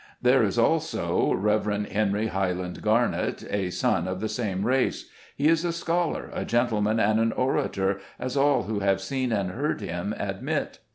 There is, also, Rev. Henry Highland Garnett, a son of the same race. He is a scholar, a gentleman and an orator, as all who have seen and heard him admit.